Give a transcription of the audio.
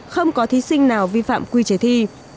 không có thí sinh nào vi phạm quy chế thi